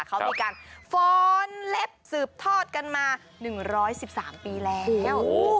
เขามีการฟ้อนเล็บสืบทอดกันมา๑๑๓ปีแล้ว